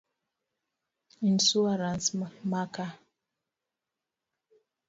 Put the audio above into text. Insuarans ma ka